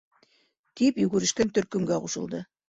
- тип йүгерешкән төркөмгә ҡушылды.